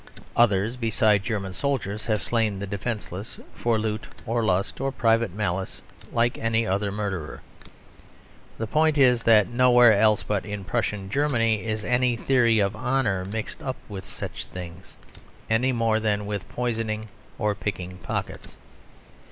Others besides German soldiers have slain the defenceless, for loot or lust or private malice, like any other murderer. The point is that nowhere else but in Prussian Germany is any theory of honour mixed up with such things; any more than with poisoning or picking pockets.